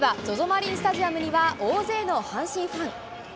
マリンスタジアムには、大勢の阪神ファン。